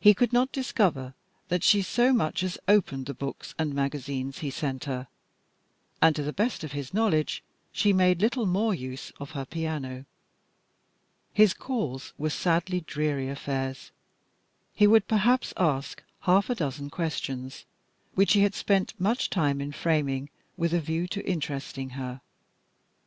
He could not discover that she so much as opened the books and magazines he sent her, and, to the best of his knowledge, she made little more use of her piano. His calls were sadly dreary affairs. He would ask perhaps half a dozen questions, which he had spent much care in framing with a view to interesting her.